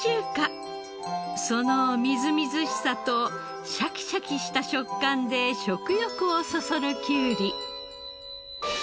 そのみずみずしさとシャキシャキした食感で食欲をそそるきゅうり。